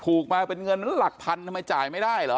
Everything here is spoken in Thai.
มาเป็นเงินหลักพันทำไมจ่ายไม่ได้เหรอ